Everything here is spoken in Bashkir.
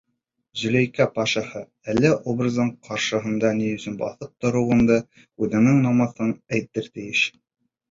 — Зөләйкә пашаһы, әле Орбазан ҡаршыһында ни өсөн баҫып тороуынды үҙеңдең намыҫың әйтергә тейеш.